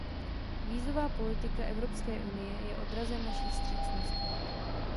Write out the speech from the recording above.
Vízová politika Evropské unie je odrazem naší vstřícnosti.